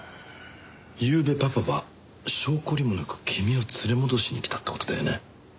ゆうべパパは性懲りもなく君を連れ戻しに来たって事だよね？